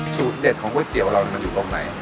สูตรเด็ดของก๋วยเตี๋ยวเรามันอยู่ตรงไหน